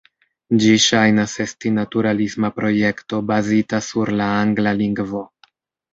Ĝi ŝajnas esti naturalisma projekto bazita sur la angla lingvo.